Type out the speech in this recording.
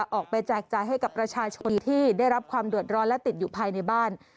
แจกจ่ายให้กับประชาชนที่ได้รับความเดือดร้อนและติดอยู่ภายในบ้าน